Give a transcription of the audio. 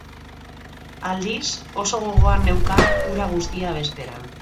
Aldiz, oso gogoan neukan hura guztia bezperan ere.